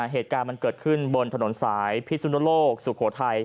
เหตุการณ์มันเกิดขึ้นบนถนนสายพิสุนโลกสุโขทัย